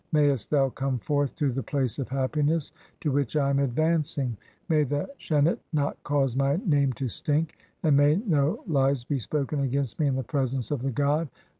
Mayest thou come forth to the place of happiness "to which I am advancing. May the Shenit 3 not cause my name "to stink, and may no lies be spoken against me in the presence "of the god.